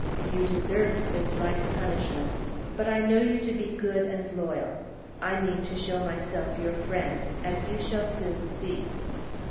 You deserved this light punishment; but I know you to be good and loyal; I mean to show myself your friend, as you shall soon see."